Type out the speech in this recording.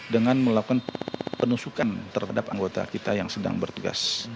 dengan melakukan penusukan terhadap anggota kita yang sedang bertugas